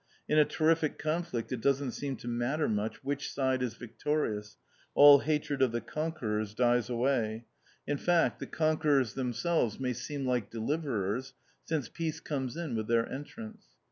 In a terrific conflict it doesn't seem to matter much which side is victorious, all hatred of the conquerors dies away; in fact the conquerors themselves may seem like deliverers since peace comes in with their entrance.